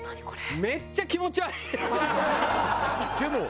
めっちゃ気持ち悪い。